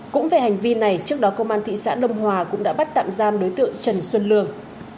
cũng về hành vi này trước đó công an thị xã đông hòa cũng đã bắt tạm giam đối tượng trần xuân lương